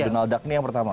donald duck ini yang pertama